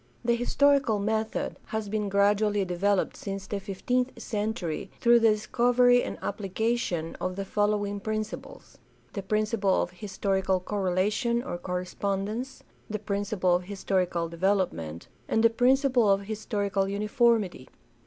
— The historical method has been gradually developed since the fifteenth century through the discovery and application of the following prin ciples: the principle of historical correlation or correspondence; the principle of historical development; and the principle of historical uniformity.